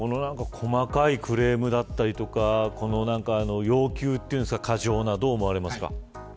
細かいクレームだったり要求というか過剰な要求どう思われますか。